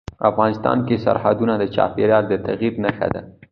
افغانستان کې سرحدونه د چاپېریال د تغیر نښه ده.